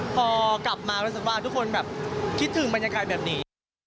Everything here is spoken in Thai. พอกลับมารู้สึกว่าทุกคนแบบคิดถึงบรรยากาศแบบนี้